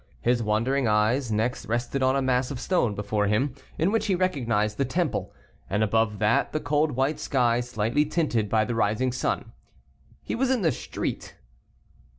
His wondering eyes next rested on a mass of stone before him, in which he recognized the Temple, and above that, the cold white sky, slightly tinted by the rising sun. He was in the street.